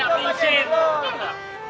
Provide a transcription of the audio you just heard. bener pak ji